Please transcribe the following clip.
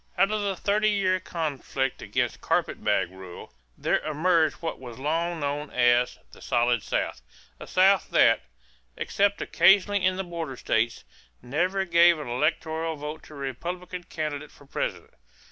= Out of the thirty year conflict against "carpet bag rule" there emerged what was long known as the "solid South" a South that, except occasionally in the border states, never gave an electoral vote to a Republican candidate for President.